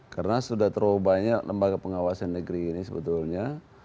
karena sudah terlalu banyak lembaga pengawasan negeri ini sebetulnya